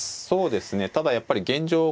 そうですねただやっぱり現状